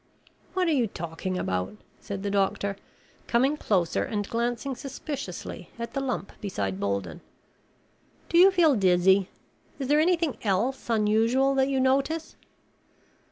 "What are you talking about?" said the doctor, coming closer and glancing suspiciously at the lump beside Bolden. "Do you feel dizzy? Is there anything else unusual that you notice?"